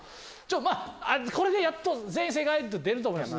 まぁこれでやっと全員正解！って出ると思います。